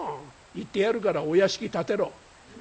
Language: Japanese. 言ってやるからお屋敷建てろ」。